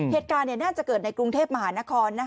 เหตุการณ์น่าจะเกิดในกรุงเทพมหานคร